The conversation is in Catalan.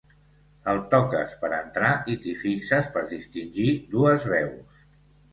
El toques per entrar i t'hi fixes per distingir dues veus.